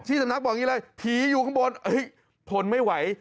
สำนักบอกอย่างนี้เลยผีอยู่ข้างบนทนไม่ไหว